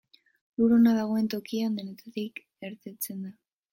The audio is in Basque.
Lur ona dagoen tokian, denetarik ernetzen da.